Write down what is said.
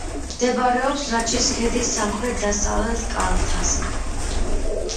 მდებარეობს რაჭის ქედის სამხრეთ-დასავლეთ კალთაზე.